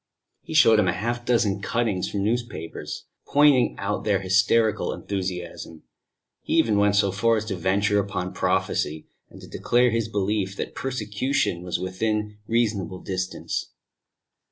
He showed him half a dozen cuttings from newspapers, pointing out their hysterical enthusiasm; he even went so far as to venture upon prophecy, and to declare his belief that persecution was within reasonable distance.